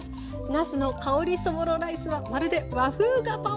なすの香りそぼろライスはまるで和風ガパオライス！